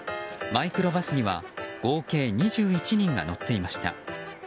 マイクロバスには合計２１人が乗っていました。